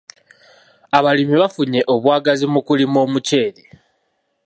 Abalimi bafunye obwagazi mu kulima omuceere.